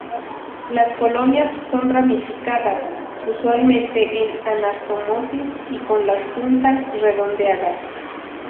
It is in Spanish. Las colonias son ramificadas, usualmente en anastomosis, y con las puntas redondeadas.